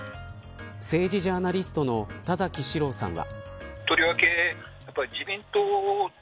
政治ジャーナリストの田崎史郎さんは。